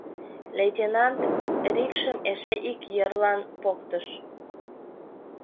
Лейтенант рикшым эше ик йырлан поктыш.